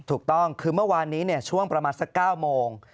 ถูกต้องคือเมื่อวานนี้ช่วงประมาณสัก๙โมง